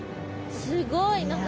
すごい何か。